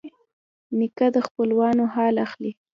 نیکه د خپلوانو حال اخلي.